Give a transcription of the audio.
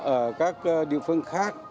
ở các địa phương khác